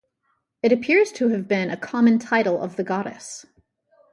It appears to have been a common title of the goddess.